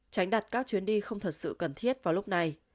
tránh đặt các chuyến đi không thật sự cần thiết vào lúc này